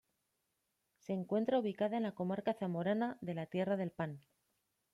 Se encuentra ubicada en la comarca zamorana de la Tierra del Pan.